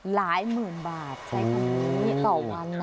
หลายหมื่นบาทต่อวันนะ